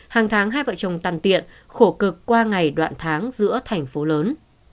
hàng tháng hai vợ chồng tàn tiện khổ cực qua ngày đoạn tháng giữa thành phố lớn